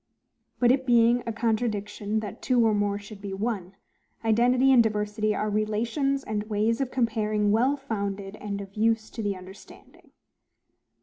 But it being a contradiction that two or more should be one, identity and diversity are relations and ways of comparing well founded, and of use to the understanding.